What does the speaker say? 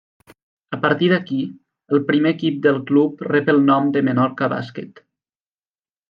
A partir d'aquí, el primer equip del club rep el nom de Menorca Bàsquet.